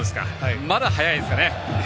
まだ早いですかね。